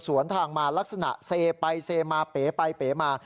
สวนทางมาลักษณะให้ไปเซมาเพมาเพมา